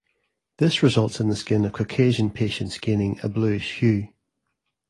This results in the skin of Caucasian patients gaining a bluish hue.